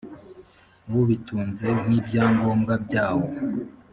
ubitunze nk’ibyangombwa byawo